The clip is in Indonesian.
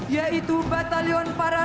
yaitu batalion para